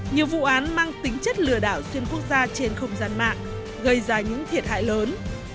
nhiều vụ án mang tính chất lừa đảo xuyên quốc gia trên không gian mạng gây ra những thiệt hại lớn